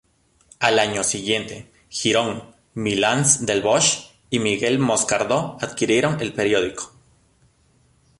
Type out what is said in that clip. Al año siguiente, Girón, Milans del Bosch y Miguel Moscardó adquirieron el periódico.